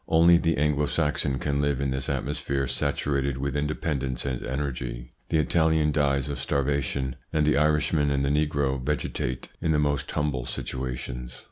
Only the Anglo Saxon can live in this atmosphere saturated with independence and energy. The Italian dies of starvation, and the Irishman and the negro vegetate in the most humble situations.